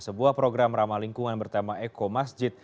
sebuah program ramah lingkungan bertema eko masjid